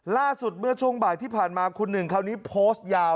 ล่าสุดเมื่อช่วงบ่ายที่ผ่านมาคุณหนึ่งคราวนี้โพสต์ยาว